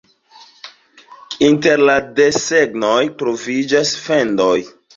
Inter la desegnoj troviĝas fendoj.